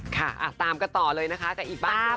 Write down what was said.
ค่ะตามกันต่อเลยนะคะกับอีกบ้าง